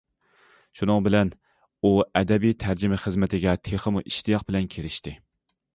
شۇنىڭ بىلەن ئۇ ئەدەبىي تەرجىمە خىزمىتىگە تېخىمۇ ئىشتىياق بىلەن كىرىشتى.